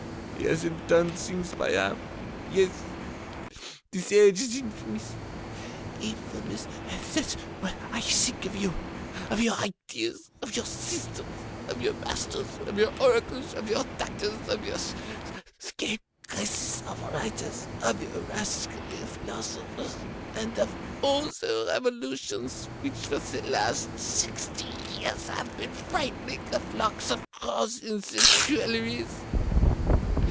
He hasn't done things by half. Yes, this age is infamous, infamous and that's what I think of you, of your ideas, of your systems, of your masters, of your oracles, of your doctors, of your scape graces of writers, of your rascally philosophers, and of all the revolutions which, for the last sixty years, have been frightening the flocks of crows in the Tuileries!